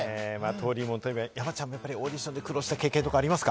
登竜門といえば、山ちゃんもオーディションで苦労した経験とかありますか？